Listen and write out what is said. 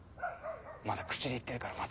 まだ口で言ってるから松戸君は。